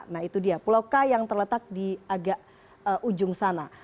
nah itu dia pulau k yang terletak di agak ujung sana